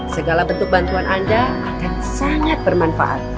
segala bentuk bantuan anda akan sangat bermanfaat